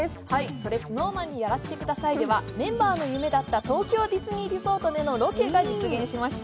「それＳｎｏｗＭａｎにやらせて下さい」でではメンバーの夢だった東京ディズニーリゾートでのロケが実現しました。